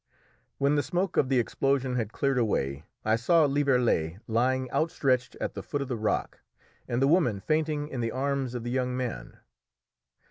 When the smoke of the explosion had cleared away I saw Lieverlé lying outstretched at the foot of the rock, and the woman fainting in the arms of the young man.